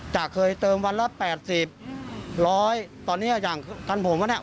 แต่เคยเติมวันละ๘๐๑๐๐ตอนนี้อย่างทางผมวันแหละ